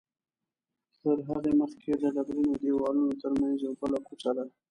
تر هغې مخکې د ډبرینو دیوالونو تر منځ یوه بله کوڅه ده.